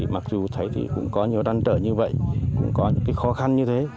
mặc dù thầy cũng có nhiều đăn trở như vậy cũng có những khó khăn như thế